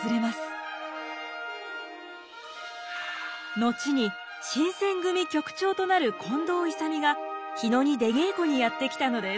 のちに新選組局長となる近藤勇が日野に出稽古にやって来たのです。